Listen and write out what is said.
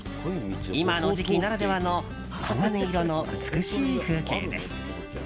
今の時期ならではの黄金色の美しい風景です。